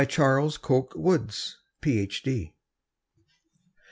CHARLES COKE WOODS, PH.D.